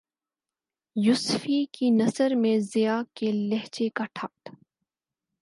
یوسفی کی نثر میں ضیاء کے لہجے کا ٹھاٹ